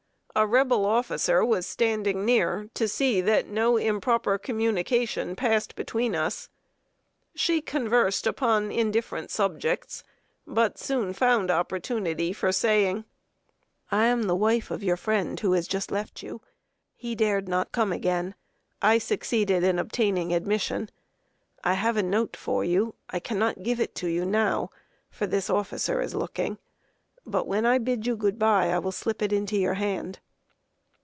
A Rebel officer was standing near, to see that no improper communication passed between us. She conversed upon indifferent subjects, but soon found opportunity for saying: "I am the wife of your friend who has just left you. He dared not come again. I succeeded in obtaining admission. I have a note for you. I cannot give it to you now, for this officer is looking; but, when I bid you good by, I will slip it into your hand."